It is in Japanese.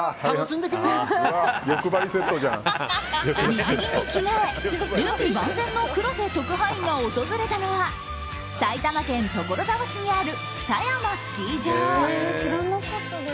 水着に着替え、準備万全の黒瀬特派員が訪れたのは埼玉県所沢市にある狭山スキー場。